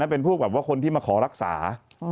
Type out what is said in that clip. เป็นพวกแบบว่าคนที่มาขอรักษา